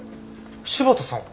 柴田さんは？